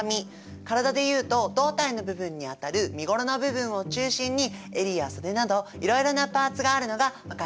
からだでいうと胴体の部分にあたる身ごろの部分を中心にえりや袖などいろいろなパーツがあるのが分かりますよね。